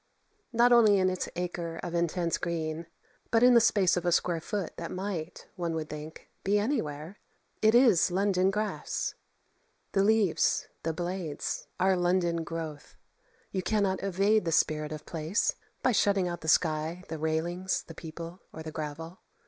Not only in its acre of intense green, but in the space of a square foot that might, one would think, be anywhere, it is London grass. The leaves, the blades, are London growth. You cannot evade the spirit of place by shutting out the sky, the railings, the people, or the gravel.